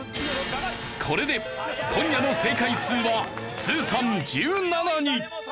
これで今夜の正解数は通算１７に